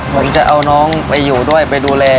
หวังจะเอาน้องไปอยู่ด้วยไปดูแล